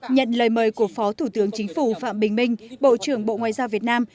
nhận lời mời của phó thủ tướng chính phủ phạm bình minh bộ trưởng bộ ngoại giao việt nam